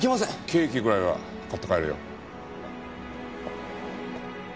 ケーキぐらいは買って帰れよ。